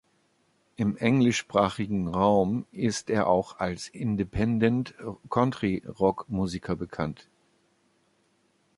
Im englischsprachigen Raum ist er auch als Independent-Country-Rock-Musiker bekannt.